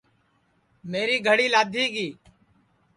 میری گھڑی لادھی گی